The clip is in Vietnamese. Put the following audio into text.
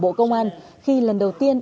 bộ công an khi lần đầu tiên